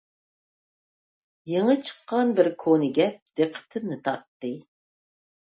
يېڭى چىققان بىر كونا گەپ دىققىتىمنى تارتتى.